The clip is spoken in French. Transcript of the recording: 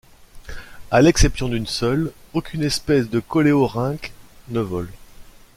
À l'exception d'une seule, aucune espèce de coléorrinques ne vole.